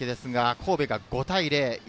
神戸が５対０。